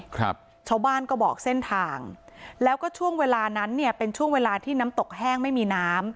ครับชาวบ้านก็บอกเส้นทางแล้วก็ช่วงเวลานั้นเนี่ยเป็นช่วงเวลาที่น้ำตกแห้งไม่มีน้ำ